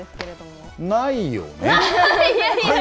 ないよね？